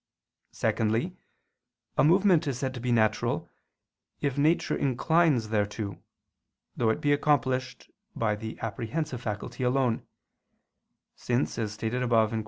Secondly, a movement is said to be natural, if nature inclines thereto, though it be accomplished by the apprehensive faculty alone: since, as stated above (Q.